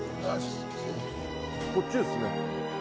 こっちですね。